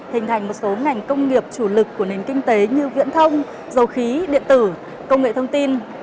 hình thành một số ngành công nghiệp chủ lực của nền kinh tế như viễn thông dầu khí điện tử công nghệ thông tin